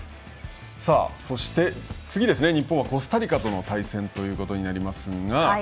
そして、次、日本はコスタリカとの対戦となります。